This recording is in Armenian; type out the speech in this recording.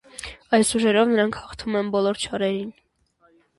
Այս ուժերով նրանք հաղթում են բոլոր չարերին։